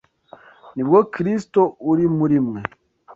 ni bwo Kristo uri muri mwe